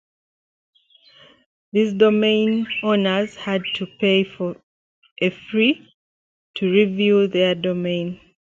These domain owners had to pay a fee to renew their domains.